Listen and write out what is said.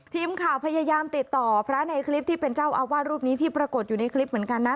ทีมข่าวพยายามติดต่อพระในคลิปที่เป็นเจ้าอาวาสรูปนี้ที่ปรากฏอยู่ในคลิปเหมือนกันนะ